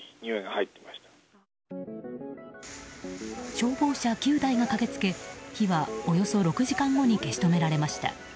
消防車９台が駆けつけ火は、およそ６時間後に消し止められました。